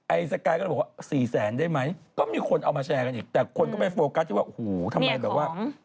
สกายก็เลยบอกว่าสี่แสนได้ไหมก็มีคนเอามาแชร์กันอีกแต่คนก็ไปโฟกัสที่ว่าโอ้โหทำไมแบบว่า